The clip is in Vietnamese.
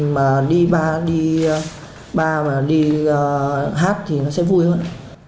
mà đi ba đi ba và đi hát thì nó sẽ vui hơn